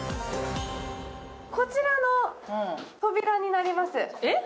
こちらの扉になります。